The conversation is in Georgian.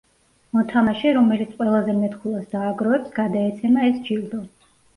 მოთამაშე, რომელიც ყველაზე მეტ ქულას დააგროვებს, გადაეცემა ეს ჯილდო.